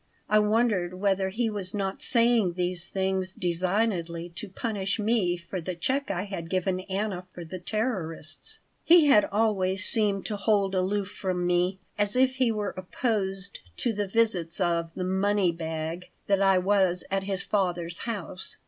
I wondered whether he was not saying these things designedly to punish me for the check I had given Anna for the terrorists. He had always seemed to hold aloof from me, as if he were opposed to the visits of the "money bag" that I was at his father's house.